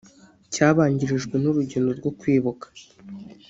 cyabanjirijwe n’urugendo rwo kwibuka